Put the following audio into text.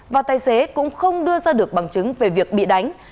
và tài xế cũng không đưa ra được bằng chứng về việc bị đánh